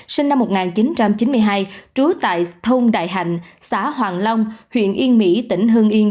sinh năm một nghìn chín trăm chín mươi hai trú tại thông đại hành xã hoàng long huyện yên mỹ tỉnh hương yên